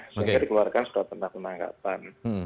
sehingga dikeluarkan setelah penangkapan